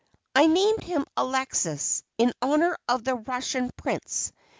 I named him "Alexis" in honor of the Russian Prince.